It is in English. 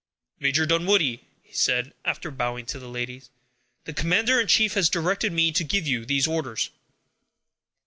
"Major Dunwoodie," he said, after bowing to the ladies, "the commander in chief has directed me to give you these orders."